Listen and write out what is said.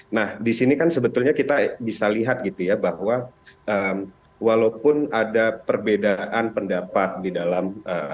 nah disini kan sebetulnya kita bisa lihat gitu ya bahwa walaupun ada perbedaan pendapat di dalam